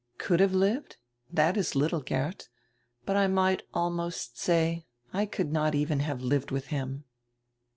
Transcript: "Could have lived? That is little, Geert. But I might almost say, I could not even have lived with him."